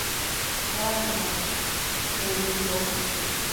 奈良県平群町